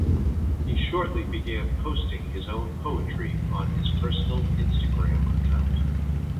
He shortly began posting his own poetry on his personal Instagram account.